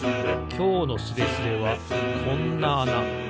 きょうのスレスレはこんなあな。